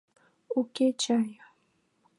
— Уке чай.